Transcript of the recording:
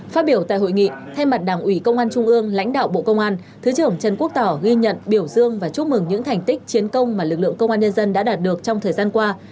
phát biểu tại hội nghị thay mặt đảng ủy công an trung ương lãnh đạo bộ công an thứ trưởng trần quốc tỏ ghi nhận biểu dương và chúc mừng những thành tích chiến công mà lực lượng công an nhân dân đã đạt được trong thời gian qua